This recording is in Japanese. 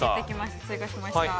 追加しました。